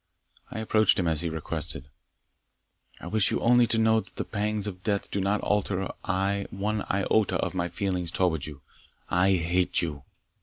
I approached him as he requested. "I wish you only to know that the pangs of death do not alter I one iota of my feelings towards you. I hate you!"